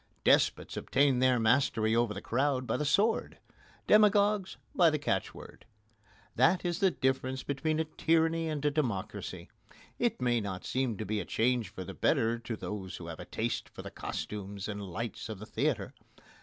Despots obtain their mastery over the crowd by the sword: demagogues by the catchword. That is the difference between a tyranny and a democracy. It may not seem to be a change for the better to those who have a taste for the costumes and lights of the theatre.